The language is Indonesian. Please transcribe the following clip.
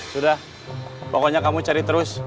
sudah pokoknya kamu cari terus